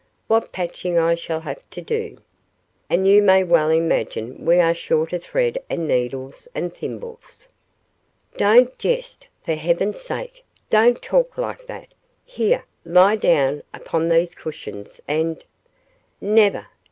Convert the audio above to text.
What patching I shall have to do! And you may well imagine we are short of thread and needles and thimbles " "Don't jest, for heaven's sake! Don't talk like that. Here! Lie down upon these cushions and " "Never!